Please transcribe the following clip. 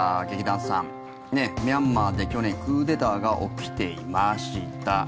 劇団さん、ミャンマーで去年クーデターが起きていました。